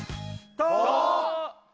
「と」